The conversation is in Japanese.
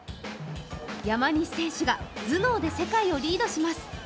山西選手が頭脳で世界をリードします。